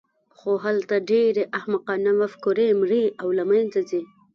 خو هلته ډېرې احمقانه مفکورې مري او له منځه ځي.